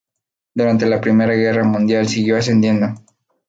Durante la Primera Guerra Mundial siguió ascendiendo.